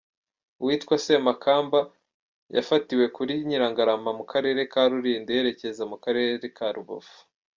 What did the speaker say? Uwitwa Semakamba yafatiwe kuri Nyirangarama mu karere ka Rulindo yerekeza mu karere ka Rubavu.